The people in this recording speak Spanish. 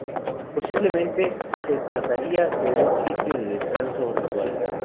Posiblemente se trataría de un sitio de descanso o ritual.